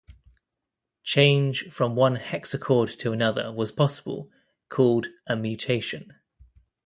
Change from one hexachord to another was possible, called a "mutation".